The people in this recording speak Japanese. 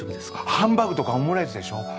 ハンバーグとかオムライスでしょ？